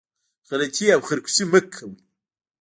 غلطي او خرکوسي مه کوئ